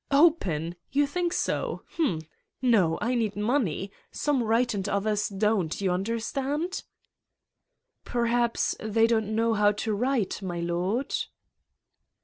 '' "Open? You think so? Hm! No, I need money. Some write and others don't, you under stand?'' "Perhaps they don't know how to write, my lord?"